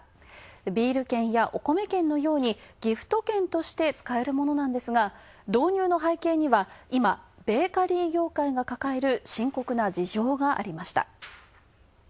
ビール券や、おこめ券のようにギフト券として使えるものなんですが、導入の背景には、今ベーカリー業界が抱える深刻な事情がありました。